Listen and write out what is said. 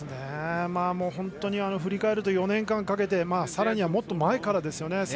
本当に振り返ると４年間かけてさらに、もっと前からですよね。